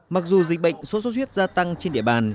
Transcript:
mặc dù dịch bệnh sốt xuất huyết gia tăng trên địa bàn